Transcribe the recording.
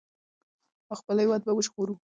او خپل هېواد به وژغورو.